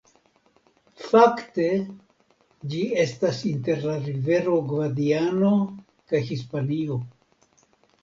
Fakte ĝi estas inter la rivero Gvadiano kaj Hispanio.